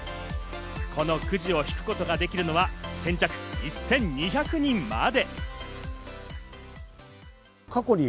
このくじを引くことができるのは先着１２００人まで。